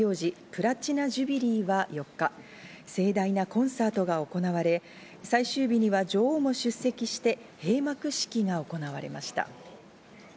プラチナ・ジュビリーは４日、盛大なコンサートが行われ、最終日には女王も出席して閉幕式が行われました。